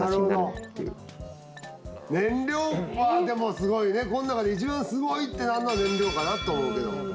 燃料はすごいねこの中で一番すごいってなるのが燃料かなと思うけど。